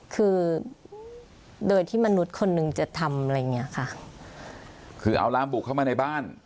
คือโดยที่มนุษย์คนหนึ่งจะทำอะไรอย่างเงี้ยค่ะคือเอาลามบุกเข้ามาในบ้าน